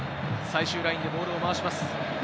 最終ラインでボールを回します。